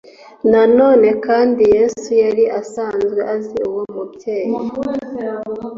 Na none kandi Yesu yari asanzwe azi uwo mubyeyi,